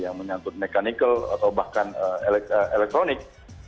yang menyakut mechanical atau bahkan elektronik